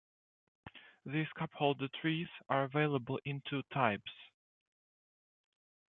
These cup holder trees are available in two types.